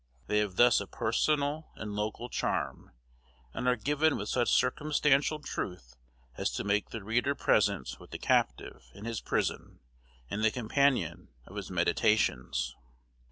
They have thus a personal and local charm, and are given with such circumstantial truth as to make the reader present with the captive in his prison and the companion of his meditations.